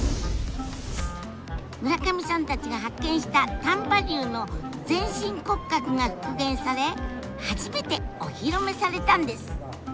村上さんたちが発見した丹波竜の全身骨格が復元され初めてお披露目されたんです。